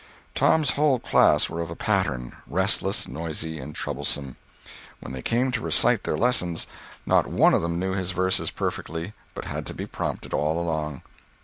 Tom's whole class were of a pattern—restless, noisy, and troublesome. When they came to recite their lessons, not one of them knew his verses perfectly, but had to be prompted all along.